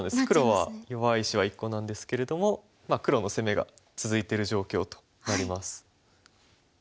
黒は弱い石は１個なんですけれども黒の攻めが続いてる状況となります。